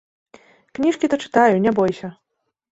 Кніжкі то чытаю, не бойся.